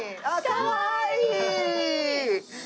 かわいいー！